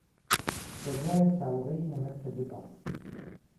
دەبوایە چاوەڕێی ئێمەت کردبا.